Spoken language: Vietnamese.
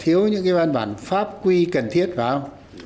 thiếu những văn bản pháp quy cần thiết vào